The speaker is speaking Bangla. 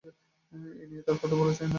এ নিয়ে আর কথা বলতে চাই না।